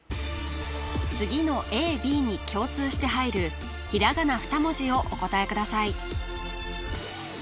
次のＡＢに共通して入るひらがな２文字をお答えください